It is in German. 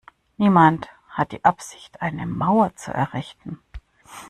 Niemand hat die Absicht, eine Mauer zu errichten.